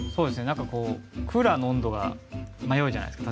クーラーの温度が迷うじゃないですか。